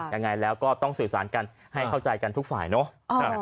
ยังไงแล้วก็ต้องสื่อสารกันให้เข้าใจกันทุกฝ่ายเนอะ